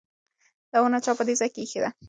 دا ونه چا په دې ځای کې ایښې ده؟